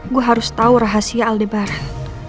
gue harus tau rahasia aldebaran